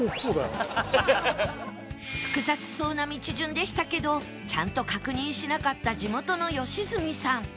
複雑そうな道順でしたけどちゃんと確認しなかった地元の良純さん